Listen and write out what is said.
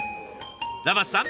ラマスさん